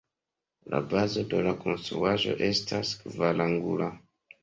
La bazo de la konstruaĵo estas kvarangula.